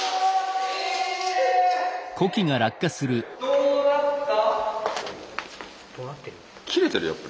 どうなった？